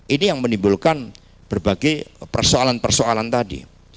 ini yang menimbulkan berbagai persoalan persoalan tadi